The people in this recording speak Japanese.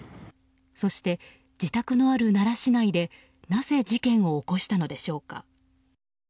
そして、自宅のある奈良市内でなぜ事件を起こしたのでしょうか。